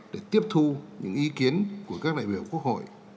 để tiếp thu những ý kiến của các đại biểu quốc hội